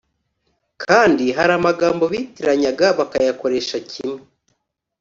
Kandi hari amagambo bitiranyaga bakayakoresha kimwe